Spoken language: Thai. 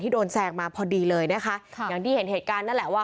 โดนแซงมาพอดีเลยนะคะค่ะอย่างที่เห็นเหตุการณ์นั่นแหละว่า